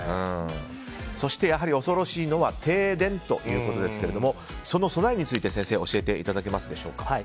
そして、やはり恐ろしいのは停電ということですがその備えについて、先生教えていただけますでしょうか。